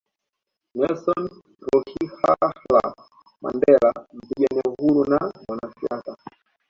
Nelson Rolihlahla Mandela mpigania uhuru na mwanasiasa